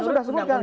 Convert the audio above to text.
saya sudah sebutkan